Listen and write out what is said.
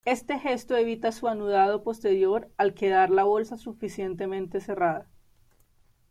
Este gesto evita su anudado posterior al quedar la bolsa suficientemente cerrada.